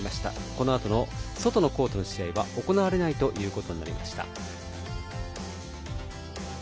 このあとの外のコートの試合は行われないことになりました。